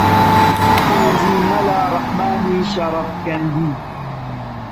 حاجی مەلا ڕەحمانی شەرەفکەندی: